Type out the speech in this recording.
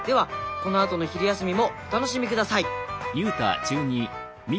このあとの昼休みもお楽しみください。